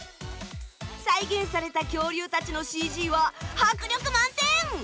再現された恐竜たちのＣＧは迫力満点！